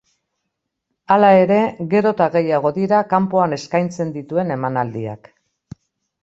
Hala ere, gero eta gehiago dira kanpoan eskaintzen dituen emanaldiak.